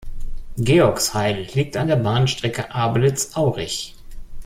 Georgsheil liegt an der Bahnstrecke Abelitz–Aurich.